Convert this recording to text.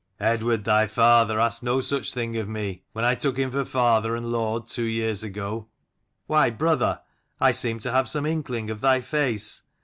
"Eadward thy father asked no such thing of me, when I took him for father and lord two years ago." "Why, brother, I seem to have some inkling of thy face.